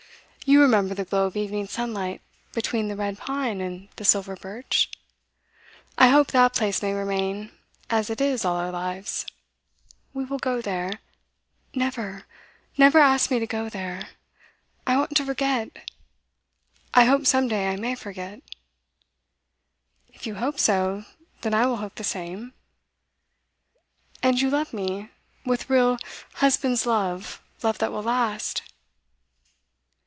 You remember the glow of evening sunlight between the red pine and the silver birch? I hope that place may remain as it is all our lives; we will go there ' 'Never! Never ask me to go there. I want to forget I hope some day I may forget.' 'If you hope so, then I will hope the same.' 'And you love me with real, husband's love love that will last?